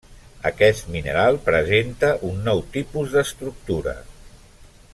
Aquest mineral presenta un nou tipus d'estructura.